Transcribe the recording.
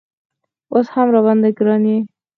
اوس هم راباندې ګران یې